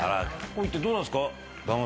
どうなんすか？